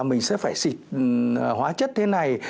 mình sẽ phải xịt hóa chất thế này